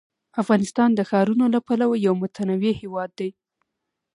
افغانستان د ښارونو له پلوه یو متنوع هېواد دی.